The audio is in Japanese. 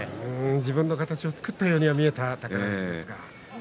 自分の形を作ったように見えた宝富士です。